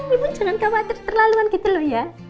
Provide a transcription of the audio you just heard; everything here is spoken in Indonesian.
ibu jangan khawatir terlaluan gitu loh ya